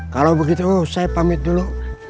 kalau begitu saya pamit dulu